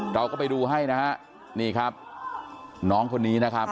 เราก็ไปดูให้นะฮะนี่ครับน้องคนนี้นะครับ